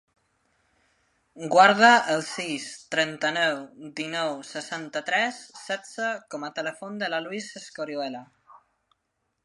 Guarda el sis, trenta-nou, dinou, seixanta-tres, setze com a telèfon de la Lis Escorihuela.